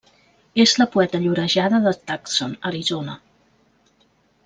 És la poeta llorejada de Tucson, Arizona.